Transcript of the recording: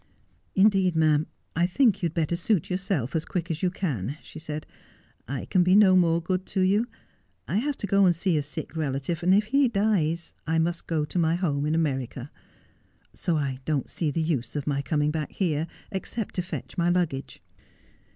'Indeed, ma'am, I think you'd better suit yourself, as quick as you can,' she said. ' I can be no more good to you. I have to go to see a sick relative, and if he dies I must go to my home in America. So I don't see the use of my coming back here, except to fetch my luggage.'